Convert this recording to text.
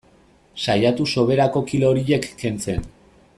Saiatu soberako kilo horiek kentzen.